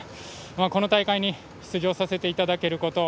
この大会に出場させていただけること